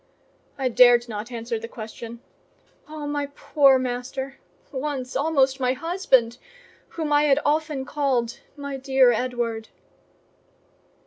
I dared not answer the question. Oh, my poor master—once almost my husband—whom I had often called "my dear Edward!"